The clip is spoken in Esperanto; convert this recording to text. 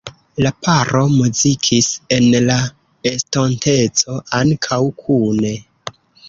La paro muzikis en la estonteco ankaŭ kune.